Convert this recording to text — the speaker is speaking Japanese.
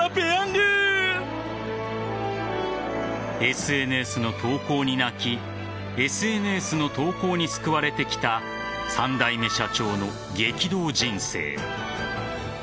ＳＮＳの投稿に泣きＳＮＳの投稿に救われてきた３代目社長の激動人生。